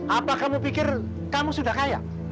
apa kamu pikir kamu sudah kaya